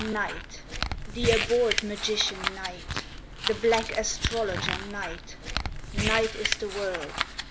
Night! the abhorred magician Night! The black astrologer Night! Night is the world!